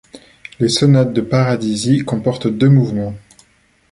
Les sonates de Paradisi comportent deux mouvements.